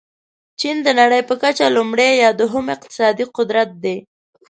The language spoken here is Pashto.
چین د نړۍ په کچه لومړی یا دوم اقتصادي قدرت دی.